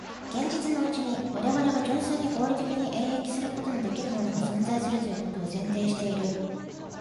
現実のうちに我々が純粋に合理的に演繹することのできぬものが存在するということを前提している。